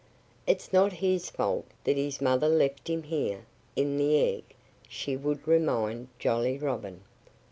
"It's not his fault that his mother left him here in the egg," she would remind Jolly Robin.